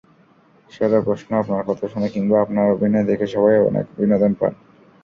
সেরা প্রশ্নআপনার কথা শুনে কিংবা আপনার অভিনয় দেখে সবাই অনেক বিনোদন পান।